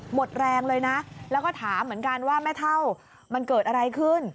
หมดแรงเลยนะแล้วก็ถามเหมือนกันว่าแม่เท่ามันเกิดอะไรขึ้น